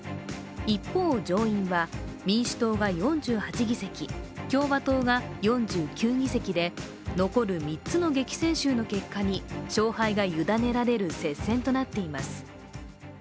一方、上院は民主党が４８議席、共和党が４９議席で、残る３つの激戦州の結果に勝敗が委ねられる接戦となっています。